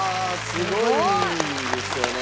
すごいですよね。